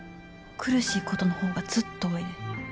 苦しいことの方がずっと多いで。